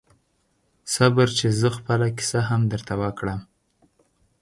صبر چې زه خپله کیسه هم درته وکړم